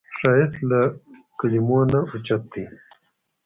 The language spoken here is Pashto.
ښایست له کلمو نه اوچت دی